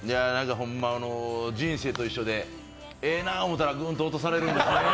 ほんま人生と一緒でええなと思うたらぐんと落とされるんですね。